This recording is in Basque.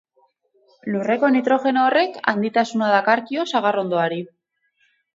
Lurreko nitrogeno horrek handitasuna dakarkio sagarrondoari.